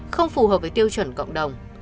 không phù hợp với tiêu chuẩn cộng đồng